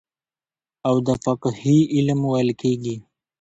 او د فقهي علم ويل کېږي.